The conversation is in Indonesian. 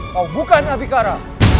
kau bukan nabi kara